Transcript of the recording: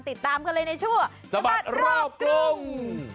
ติดตามกันเลยในชั่วสะบัดรอบกรุง